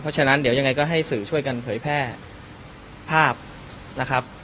เพราะฉะนั้นเดี๋ยวยังไงก็ให้สื่อช่วยกันเผยแพร่ภาพนะครับ